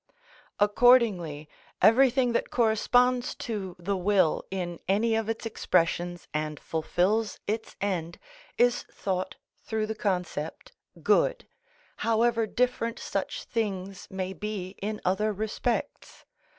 Accordingly everything that corresponds to the will in any of its expressions and fulfils its end is thought through the concept good, however different such things may be in other respects.